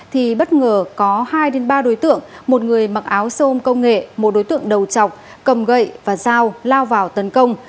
thì bất ngờ có hai ba đối tượng một người mặc áo xôm công nghệ một đối tượng đầu chọc cầm gậy và dao lao vào tấn công